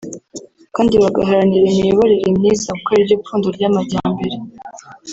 kandi bagaharanira imiyoborere myiza kuko ariyo pfundo ry’amajyambere